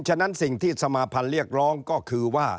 ฉะนั้นสิ่งที่สมาพันธ์เรียกร้องก็คือว่า